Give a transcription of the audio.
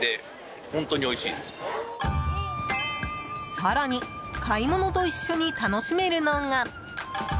更に買い物と一緒に楽しめるのが。